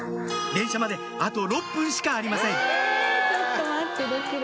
電車まであと６分しかありませんえ